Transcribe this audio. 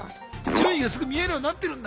順位がすぐ見えるようになってるんだ。